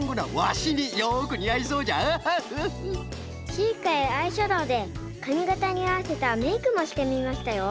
チークやアイシャドーでかみがたにあわせたメークもしてみましたよ。